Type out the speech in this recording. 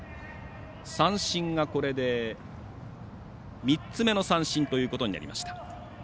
三振が、これで３つ目の三振ということになりました。